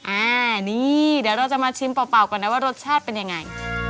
อ่านี่เดี๋ยวเราจะมาชิมเปล่าก่อนนะว่ารสชาติเป็นยังไง